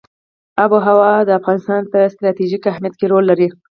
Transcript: آب وهوا د افغانستان په ستراتیژیک اهمیت کې رول لري.